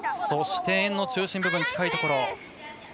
そして円の中心部分近いところ。